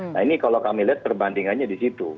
nah ini kalau kami lihat perbandingannya di situ